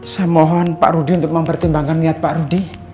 saya mohon pak rudi untuk mempertimbangkan niat pak rudi